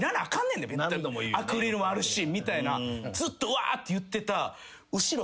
アクリルもあるしみたいなずっとうわって言ってた。